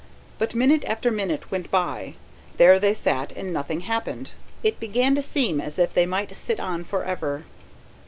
But minute after minute went by; there they sat and nothing happened. It began to seem as if they might sit on for ever.